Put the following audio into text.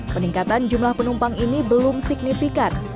peningkatan jumlah penumpang ini belum signifikan